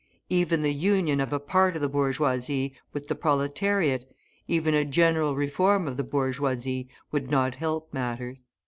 Even the union of a part of the bourgeoisie with the proletariat, even a general reform of the bourgeoisie, would not help matters.